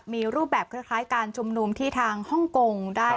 มีรูปแบบคล้ายการชุมนุมที่ทางฮ่องกงได้